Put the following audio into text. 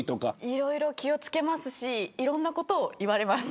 いろいろ気を付けますしいろんなことを言われます。